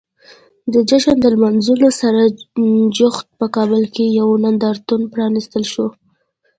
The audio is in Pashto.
د جشن لمانځلو سره جوخت په کابل کې یو نندارتون پرانیستل شو.